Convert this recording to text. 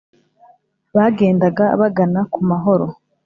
bagendaga bagana ku mahoro.